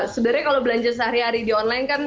sebenarnya kalau belanja sehari hari di online kan